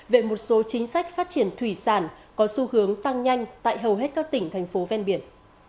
về một số chính sách phát triển thủy sản có xu hướng tăng nhanh tại hầu hết các tỉnh thành phố ven biển